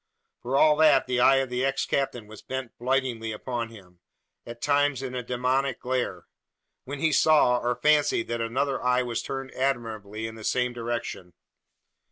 For all that, the eye of the ex captain was bent blightingly upon him at times in a demoniac glare when he saw or fancied that another eye was turned admiringly in the same direction.